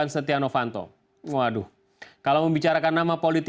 saya aminkan pak